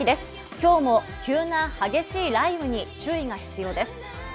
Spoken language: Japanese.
今日も急な激しい雷雨に注意が必要です。